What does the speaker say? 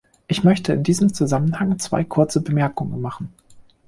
Ich möchte in diesem Zusammenhang zwei kurze Bemerkungen machen.